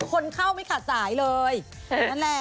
คนเข้าไม่ขาดสายเลยนั่นแหละ